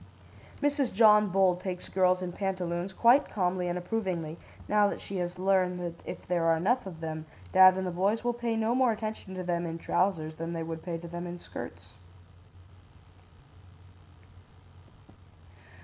"Mrs. John Bull takes girls in pantaloons quite calmly and approvingly, now that she has learned that if there are enough of them, dad and the boys will pay no more attention to them in trousers than they would pay to them in skirts."